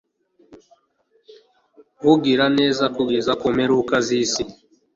ugira neza kugeza ku mpera z'isi